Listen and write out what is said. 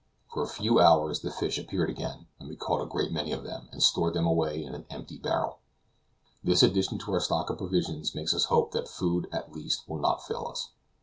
For a few hours the fish appeared again, and we caught a great many of them, and stored them away in an empty barrel. This addition to our stock of provisions makes us hope that food, at least, will not fail us.